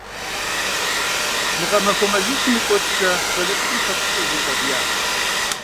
Мы гъэмахуэ мазищым и кӀуэцӀкӀэ щӀалэ цӀыкӀум хэпщӀыкӀыу зиукъуэдиящ.